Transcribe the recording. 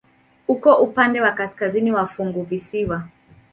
Uko upande wa kaskazini wa funguvisiwa.